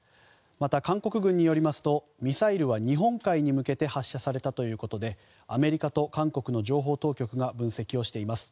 また、韓国軍によりますとミサイルは日本海に向けて発射されたということでアメリカと韓国の情報当局が分析をしています。